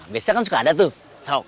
biasanya kan suka ada tuh